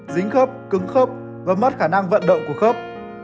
dính khớp cứng khớp và mất khả năng vận động của khớp